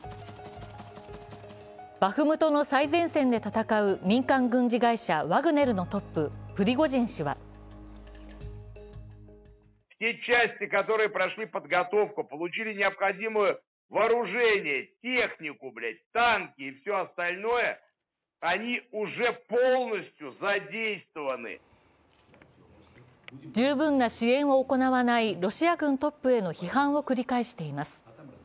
バフムトの最前線で戦う民間軍事会社ワグネルのトップ、プリゴジン氏は十分な支援を行わないロシア軍トップへの批判を繰り返しています。